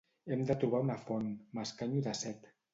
Hem de trobar una font: m'escanyo de set.